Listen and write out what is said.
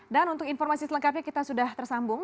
dan untuk informasi selengkapnya kita sudah tersambung